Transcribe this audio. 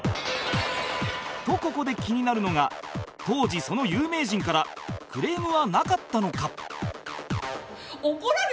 とここで気になるのが当時その有名人からクレームはなかったのか？